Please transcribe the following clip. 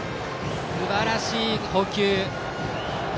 すばらしい捕球。